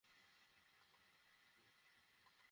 হেই, টাকলা, আমি seat cancel করিনি।